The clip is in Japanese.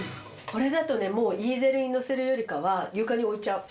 これだとねもうイーゼルにのせるよりかは床に置いちゃう。